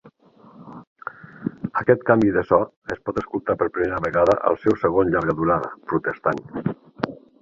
Aquest canvi de so es pot escoltar per primera vegada al seu segon llarga durada, "Protestant".